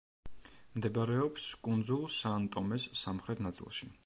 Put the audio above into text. მდებარეობს კუნძულ სან-ტომეს სამხრეთ ნაწილში.